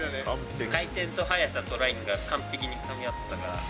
回転と速さとラインが完璧にかみ合った。